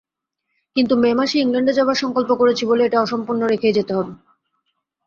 কিন্তু মে মাসে ইংলণ্ডে যাবার সঙ্কল্প করেছি বলে এটা অসম্পূর্ণ রেখেই যেতে হবে।